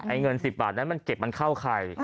เงิน๑๐บาทนั้นมันเก็บมันเข้าใคร